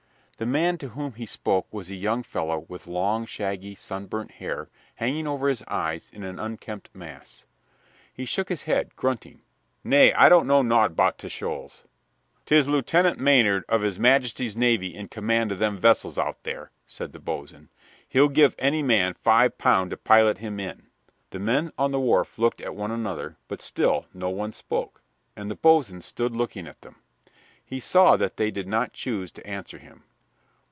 The man to whom he spoke was a young fellow with long, shaggy, sunburnt hair hanging over his eyes in an unkempt mass. He shook his head, grunting, "Na I don't know naught about t' shoals." "'Tis Lieutenant Maynard of His Majesty's navy in command of them vessels out there," said the boatswain. "He'll give any man five pound to pilot him in." The men on the wharf looked at one another, but still no one spoke, and the boatswain stood looking at them. He saw that they did not choose to answer him.